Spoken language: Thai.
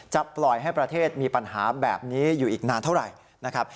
ปล่อยให้ประเทศมีปัญหาแบบนี้อยู่อีกนานเท่าไหร่นะครับ